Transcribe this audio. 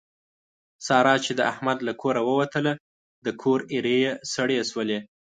ساره چې د احمد له کوره ووتله د کور ایرې یې سړې شولې.